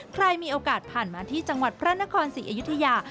ใครมีโอกาสผ่านมาที่จังหวัดพระนครศรีอยุธยา